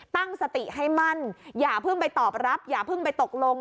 ตั้งสติให้มั่นอย่าเพิ่งไปตอบรับอย่าเพิ่งไปตกลง